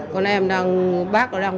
con em đang bác nó đang